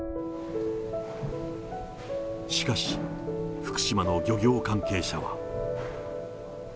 しかし、福島の漁業関係者は。